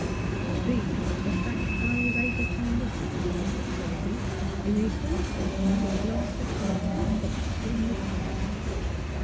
These are the facts I was able to elicit from Mr. Palby in a conversation that lasted from ten o'clock till midnight.